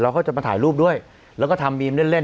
เขาจะมาถ่ายรูปด้วยแล้วก็ทำบีมเล่นเล่น